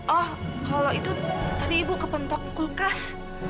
oh kalau itu tapi ibu kepentok kulkas